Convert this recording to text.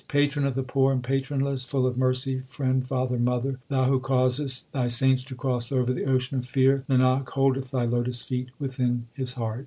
Patron of the poor and patronless, full of mercy, friend, father, mother. Thou who causest Thy saints to cross over the ocean of fear Nanak holdeth Thy lotus feet within his heart.